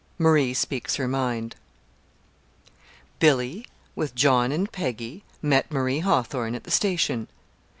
MARIE SPEAKS HER MIND Billy with John and Peggy met Marie Hawthorn at the station.